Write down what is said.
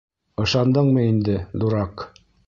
Ышандыңмы инде, дурак?